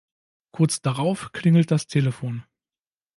Kurz darauf klingelt das Telefon.